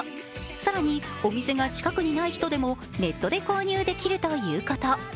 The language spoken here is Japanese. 更に、お店が近くにない人でもネットで購入できるということ。